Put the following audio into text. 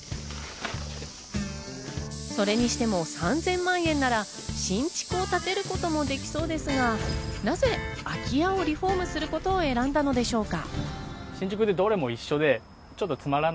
それにしても３０００万円なら新築を建てることもできそうですが、なぜ空き家をリフォームすることを選んだのでしょうか。